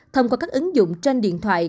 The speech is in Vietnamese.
thông qua các ứng dụng trên điện thoại